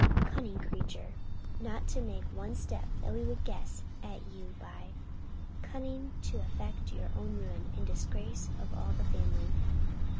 Cunning creature! not to make one step that we would guess at you by! Cunning to effect your own ruin, and the disgrace of all the family!